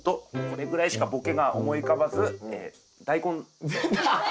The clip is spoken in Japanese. これぐらいしかボケが思い浮かばずダイコン。